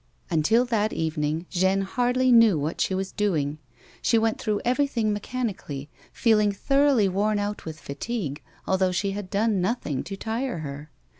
Until that evening Jeanne hardly knew what she was doing. She went throiigh everything mechanically, feeling thoroughly worn out with fatigue although she had done nothing to tire her.